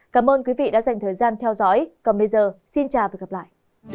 cảm ơn quý vị đã dành thời gian theo dõi còn bây giờ xin chào và hẹn gặp lại